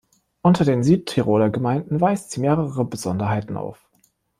Unter den Südtiroler Gemeinden weist sie mehrere Besonderheiten auf.